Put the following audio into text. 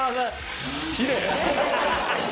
きれい。